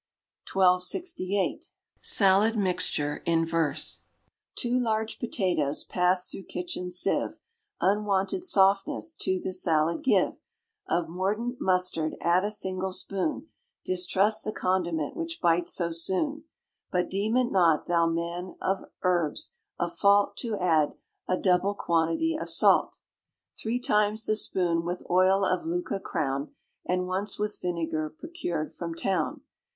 1268. Salad Mixture in Verse. Two large potatoes, passed through kitchen sieve, Unwonted softness to the salad give; Of mordant mustard add a single spoon Distrust the condiment which bites so soon; But deem it not, thou man of herbs, a fault To add a double quantity of salt; Three times the spoon with oil of Lucca crown, And once with vinegar procured from town.